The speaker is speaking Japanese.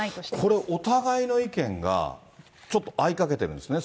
これ、お互いの意見がちょっと合いかけてるんですね。